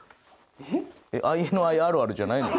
ＩＮＩあるあるじゃないの？